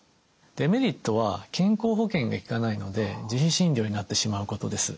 デメリットは健康保険がきかないので自費診療になってしまうことです。